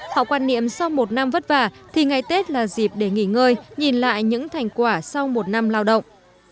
họ quan niệm sau một năm vất vả thì ngày tết là dịp để nghỉ ngơi nhìn lại những thành quả sau một năm lao động